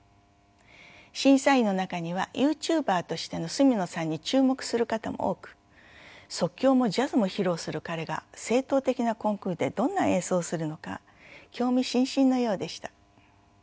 審査員の中にはユーチューバーとしての角野さんに注目する方も多く即興もジャズも披露する彼が正統的なコンクールでどんな演奏をするのか興味津々のようでした。